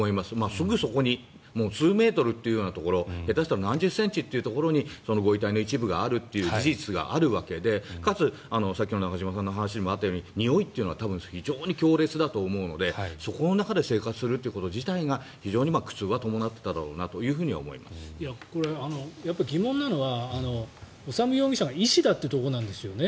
すぐそこに数メートルというところ下手したら何十センチというところにご遺体の一部があるという事実があるわけでかつ、さっきの中島さんの話にもあったようににおいというのは非常に強烈だと思うのでそこの中で生活をすること自体が非常に苦痛は伴っていただろうなとは疑問なのは修容疑者が医師だというところなんですよね。